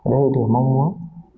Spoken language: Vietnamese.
đây là điều mong muốn